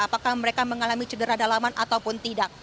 apakah mereka mengalami cedera dalaman ataupun tidak